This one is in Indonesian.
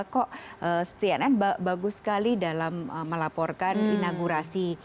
kok cnn bagus sekali dalam melaporkan inaugurasi